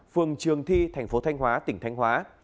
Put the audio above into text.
phường trường thi thành phố thanh hóa tỉnh thanh hóa